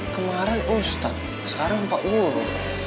kemarin ustadz sekarang pak uru